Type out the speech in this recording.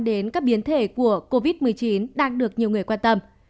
đến các biến thể của covid một mươi chín đang được nhiều người quan tâm